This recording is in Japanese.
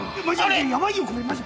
やばいよこれマジ！